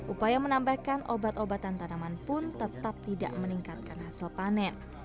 upaya menambahkan obat obatan tanaman pun tetap tidak meningkatkan hasil panen